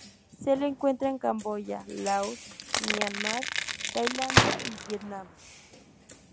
Se lo encuentra en Camboya, Laos, Myanmar, Tailandia, y Vietnam.